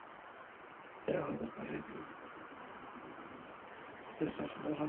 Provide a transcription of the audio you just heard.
এছাড়া হযরত খালিদ বিন ওলীদ রাযিয়াল্লাহু আনহু-এর ব্যক্তিত্ব ছিল অসাধারণ।